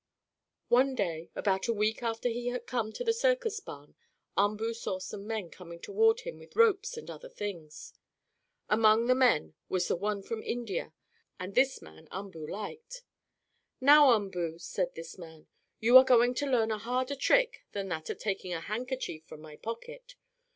One day, about a week after he had come to the circus barn, Umboo saw some men coming toward him with ropes and other things. Among the men was the one from India, and this man Umboo liked. "Now, Umboo" said this man, "you are going to learn a harder trick than that of taking a handkerchief from my pocket.